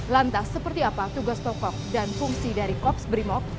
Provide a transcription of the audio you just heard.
lantas seperti apa tugas pokok dan fungsi dari korps brimob